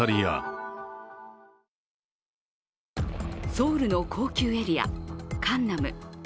ソウルの高級エリア・カンナム。